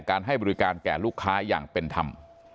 ให้บริการแก่ลูกค้าอย่างเป็นธรรม